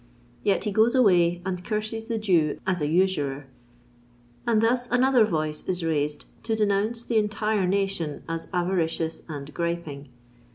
Yet he goes away, and curses the Jew as an usurer; and thus another voice is raised to denounce the entire nation as avaricious and griping.